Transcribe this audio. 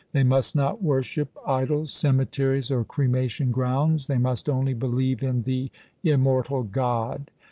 They must not worship idols, cemeteries, or cremation grounds. They must only believe in the immortal God.